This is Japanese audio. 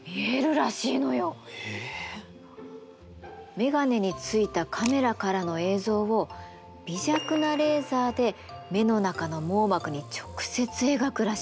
眼鏡についたカメラからの映像を微弱なレーザで目の中の網膜に直接描くらしいの。